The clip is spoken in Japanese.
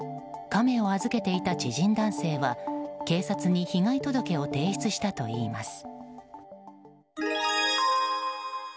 カメを預けていた知人男性は警察に被害届を提出したといいます。